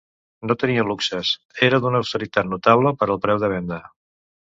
No tenia luxes, era d'una austeritat notable per al preu de venda.